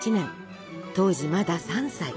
当時まだ３歳。